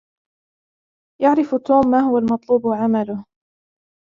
يعرف توم ما هو المطلوب عمله.